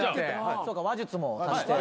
そうか話術も足して。